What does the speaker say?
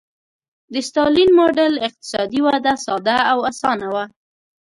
د ستالین ماډل اقتصادي وده ساده او اسانه وه.